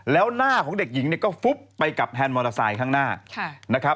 แล้วหน้าของเด็กหญิงก็ฟุ๊บไปกับแฮนด์มอเตอร์ไซค์ข้างหน้า